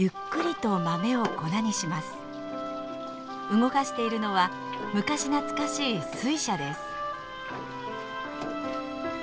動かしているのは昔懐かしい水車です。